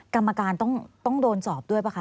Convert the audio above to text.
กรรมการต้องโดนสอบด้วยป่ะค